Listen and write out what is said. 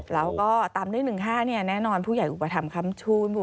แล้วก็ตามด้วย๑๕แน่นอนผู้ใหญ่อุปถัมภคำชู